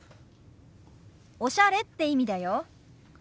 「おしゃれ」って意味だよ。